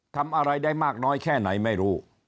ทำอะไรได้มากน้อยแค่ไหนไม่รู้